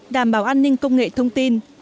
đảm bảo an ninh công nghệ thông tin